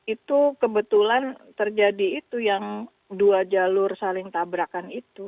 itu kebetulan terjadi itu yang dua jalur saling tabrakan itu